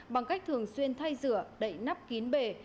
bằng cách thường xuyên thay rửa đậy nắp kín bể